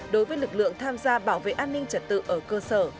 đối với lực lượng tham gia bảo vệ an ninh trật tự ở cơ sở